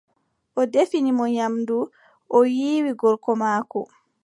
O defini mo nyamndu, o yiiwi gorko maako.